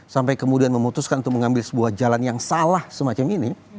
sampai kemudian memutuskan untuk mengambil sebuah jalan yang salah semacam ini